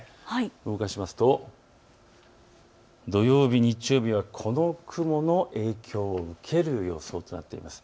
動かすと、土曜日、日曜日はこの雲の影響を受ける予想となっています。